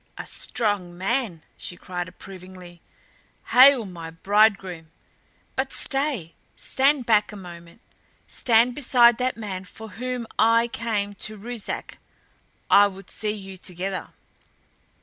"A strong man!" she cried approvingly. "Hail my bridegroom! But stay stand back a moment. Stand beside that man for whom I came to Ruszark. I would see you together!"